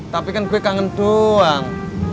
tapi kan gue kangen doang